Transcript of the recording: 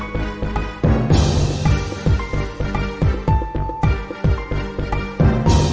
ติดตามต่อไป